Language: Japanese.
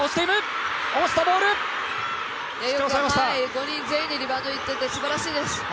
５人全員でリバウンドにいっていてすばらしいです。